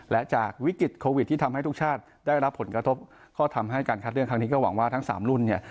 และจากวิกฤตโควิดที่ทำให้ทุกชาติได้รับผลกระทบก็ทำให้การคัดเลือกครั้งนี้ก็หวังว่าทั้งสามรุ่นเนี่ย